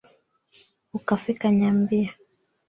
Ukafika nyambia.